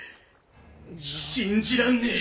信じらんねえ！